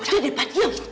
udah deh pak diem